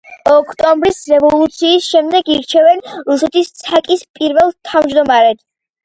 ოქტომბრის რევოლუციის შემდეგ ირჩევენ რუსეთის ცაკ-ის პირველ თავმჯდომარედ.